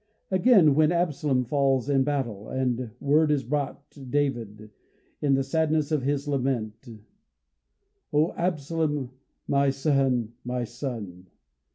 Again, when Absalom falls in battle, and word is brought David, in the sadness of his lament, "O, Absalom, my son, my son!"